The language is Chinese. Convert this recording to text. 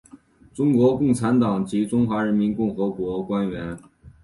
中国共产党及中华人民共和国官员。